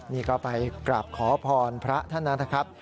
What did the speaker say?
นี่ก็ไปกราบขอพรพระท่านนั้นนะครับ